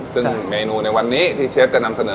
ซึ่งเมนูในวันนี้ที่เชฟจะนำเสนอ